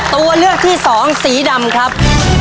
ตัวเลือกที่สองสีดำครับ